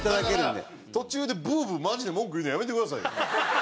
だから途中でブーブーマジで文句言うのやめてくださいよ。